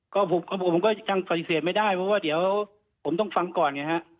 ก็ผมก็ยังปฏิเสธไม่ได้เพราะว่าเดี๋ยวผมต้องฟังก่อนไงฮะ